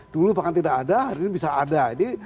dulu bahkan tidak ada hari ini bisa ada